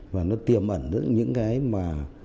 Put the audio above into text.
và nó tiềm ẩn những cái mà